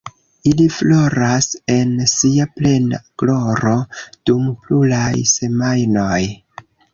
Ili floras en sia plena gloro dum pluraj semajnoj.